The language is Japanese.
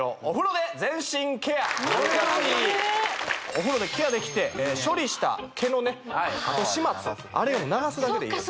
これはいいお風呂でケアできて処理した毛のね後始末あれを流すだけでいいんです